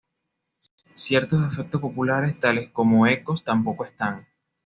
Ciertos efectos populares tales como ecos, tampoco están.